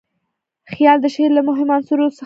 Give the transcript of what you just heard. خیال د شعر له مهمو عنصرو څخه دئ.